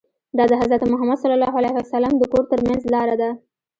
دا د حضرت محمد ص د کور ترمنځ لاره ده.